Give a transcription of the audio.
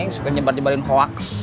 suka nyebar nyebarin hoax